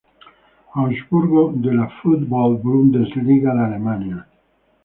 Augsburgo de la Fußball-Bundesliga de Alemania.